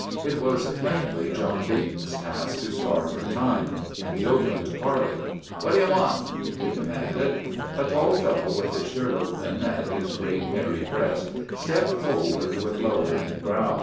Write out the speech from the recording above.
It was plainly John Dayton's task to spar for time, and he opened parley. " What do you want? " he demanded. A tall fellow, with his shirt open at his great, hairy breast, stepped forward with lowering brows.